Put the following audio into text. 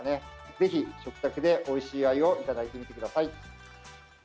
ぜひ食卓で、おいしいアユをいただいてみてください。